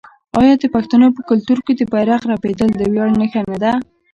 آیا د پښتنو په کلتور کې د بیرغ رپیدل د ویاړ نښه نه ده؟